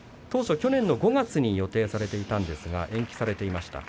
去年の５月に予定されていたんですが延期されました。